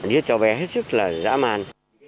giết cho bé hết sức là dã man